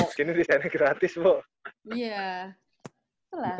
sekini desainnya gratis bo